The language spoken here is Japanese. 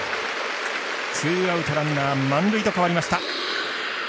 ツーアウト、ランナー満塁へと変わりました。